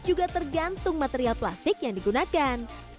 juga tergantung material plastik yang digunakan